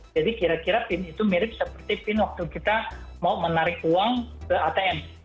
jadi kira kira pin itu mirip seperti pin waktu kita mau menarik uang ke atm